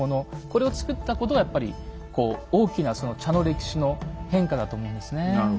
これを作ったことはやっぱり大きな茶の歴史の変化だと思うんですね。